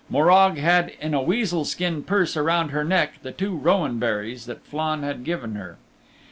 Morag had in a weasel skin purse around her neck the two rowan berries that Flann had given her.